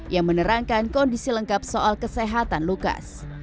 yang menerangkan kondisi lengkap soal kesehatan lukas